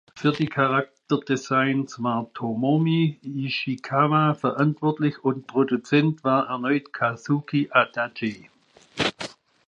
Für die Charakterdesigns war Tomomi Ishikawa verantwortlich und Produzent war erneut Kazuki Adachi.